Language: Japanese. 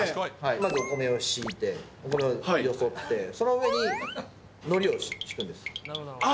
まずお米を敷いて、お米をよそって、その上にのりを敷くんです。